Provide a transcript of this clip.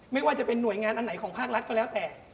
ไม่ว่าจะเป็นหน่วยงานอันไหนของภาครัฐก็แล้วแต่